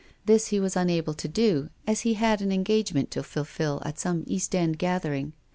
This he was unable to do as he had an engagement to fulfil at some East End gathering.